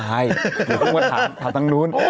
ให้หรือกูมาถามถามตรงนู้น